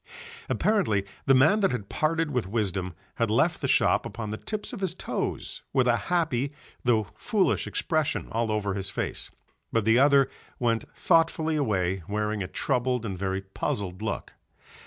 Apparently the man that had parted with wisdom had left the shop upon the tips of his toes with a happy though foolish expression all over his face, but the other went thoughtfully away wearing a troubled and very puzzled look.